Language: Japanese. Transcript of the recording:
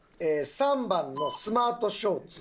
３番のスマートショーツ。